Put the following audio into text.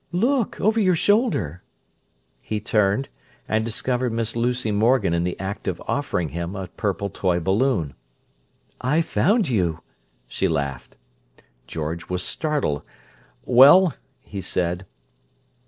"Look! Over your shoulder!" He turned, and discovered Miss Lucy Morgan in the act of offering him a purple toy balloon. "I found you!" she laughed. George was startled. "Well—" he said.